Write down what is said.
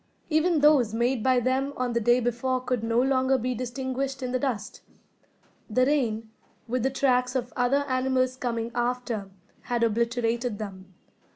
Even those made by them on the day before could no longer be distinguished in the dust. The rain, with the tracks of other animals coming after, had obliterated them.